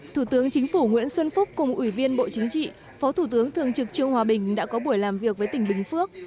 thủ tướng chính phủ nguyễn xuân phúc cùng ủy viên bộ chính trị phó thủ tướng thường trực trương hòa bình đã có buổi làm việc với tỉnh bình phước